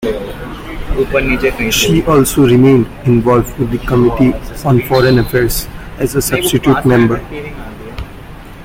She also remained involved with the Committee on Foreign Affairs as a substitute member.